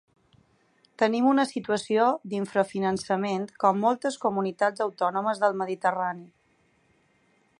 Tenim una situació d’infrafinançament com moltes comunitats autònomes del mediterrani.